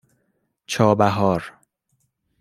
چابهار